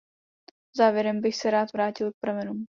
Závěrem bych se rád vrátil k pramenům.